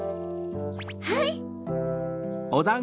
はい！